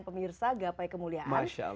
pemirsa gapai kemuliaan